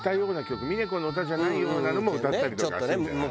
峰子の歌じゃないようなのも歌ったりとかするんじゃない？